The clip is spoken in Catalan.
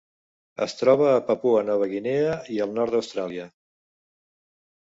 Es troba a Papua Nova Guinea i el nord d'Austràlia.